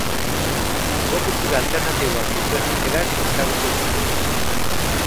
Hango kultura alternatiboak dituen aukerak ezagutu ditugu.